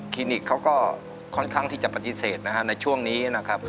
นิกเขาก็ค่อนข้างที่จะปฏิเสธนะครับในช่วงนี้นะครับ